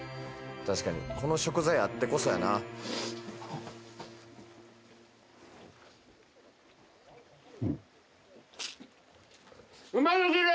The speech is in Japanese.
確かにこの食材あってこそやなうますぎる！